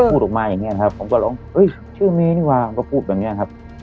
พูดออกมาอย่างนี้ครับผมก็ร้องเอ้ยชื่อเมนี่วะก็พูดแบบนี้ครับ